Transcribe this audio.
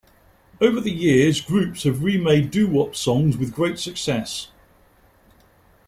Over the years groups have remade doo-wop songs, with great success.